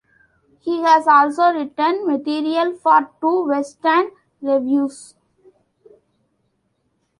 He has also written material for two West End revues.